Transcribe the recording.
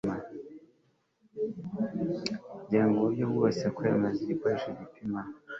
agenga uburyo bwo kwemeza igikoresho gipima